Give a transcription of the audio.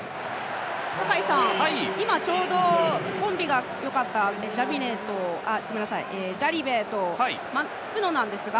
酒井さん、今ちょうどコンビがよかったジャリベールとプノなんですが。